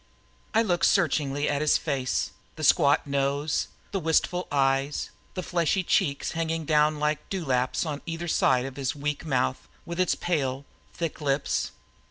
I looked searchingly at his face the squat nose, the wistful eyes, the fleshy cheeks hanging down like dewlaps on either side of his weak mouth with its pale, thick lips.